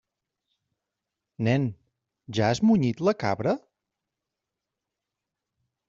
Nen, ja has munyit la cabra?